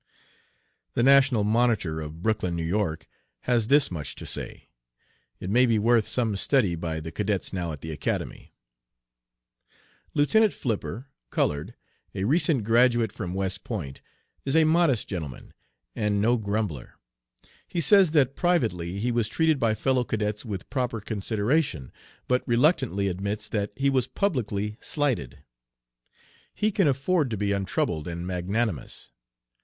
The National Monitor, of Brooklyn (N. Y.), has this much to say. It may be worth some study by the cadets now at the Academy. "Lieutenant Flipper, colored, a recent graduate from West Point, is a modest gentleman, and no grumbler. He says that privately he was treated by fellow cadets with proper consideration, but reluctantly admits that he was publicly slighted. He can afford to be untroubled and magnanimous.